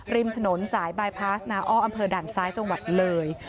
ริมถนนสายบายพาสนาอ้ออำเภอด่านซ้ายจังหวัดเลย